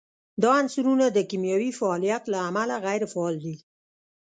دا عنصرونه د کیمیاوي فعالیت له امله غیر فعال دي.